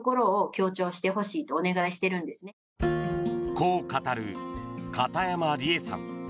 こう語る片山理絵さん。